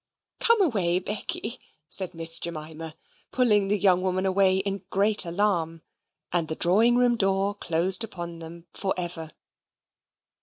"Come away, Becky," said Miss Jemima, pulling the young woman away in great alarm, and the drawing room door closed upon them for ever.